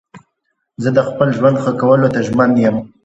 زه د خپل ژوند ښه کولو ته ژمن یم.